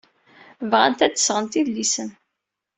Bɣant ad d-sɣent idlisen.